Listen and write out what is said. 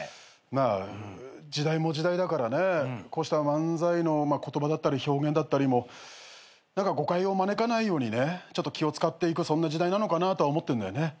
まあ時代も時代だからねこうした漫才の言葉だったり表現だったりも何か誤解を招かないようにねちょっと気を使っていくそんな時代なのかなとは思ってんだよね。